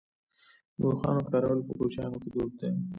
د اوښانو کارول په کوچیانو کې دود دی.